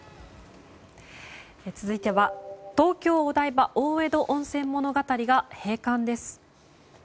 続いて東京お台場大江戸温泉物語が閉館です。